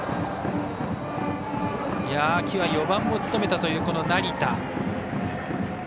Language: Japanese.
秋は４番も務めたという成田。